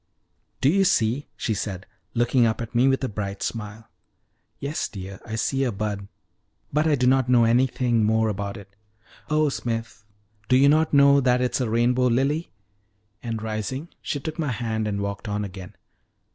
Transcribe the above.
"Do you see!" she said, looking up at me with a bright smile. "Yes, dear, I see a bud; but I do not know anything more about it." "Oh, Smith, do you not know that it is a rainbow lily!" And rising, she took my hand and walked on again.